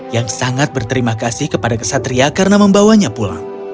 yang sangat berterima kasih kepada kesatria karena membawanya pulang